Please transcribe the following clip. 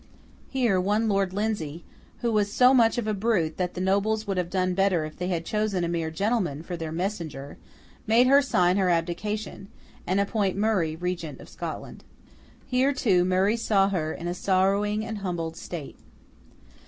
Here, one Lord Lindsay, who was so much of a brute that the nobles would have done better if they had chosen a mere gentleman for their messenger, made her sign her abdication, and appoint Murray, Regent of Scotland. Here, too, Murray saw her in a sorrowing and humbled state.